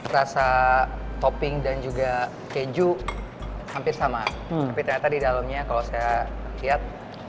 rasa topping dan juga keju hampir sama tapi ternyata di dalamnya kalau saya lihat